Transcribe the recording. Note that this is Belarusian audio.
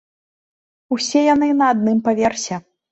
Усе яны на адным паверсе.